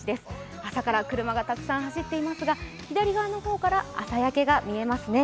朝から車がたくさん走っていますが、左側の方から朝焼けが見えますね。